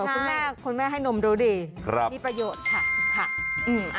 คุณแม่ให้นมดูดิมีประโยชน์ค่ะ